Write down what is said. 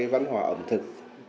văn hóa ẩm thực